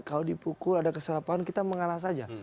kalau dipukul ada kesalahan kita mengalah saja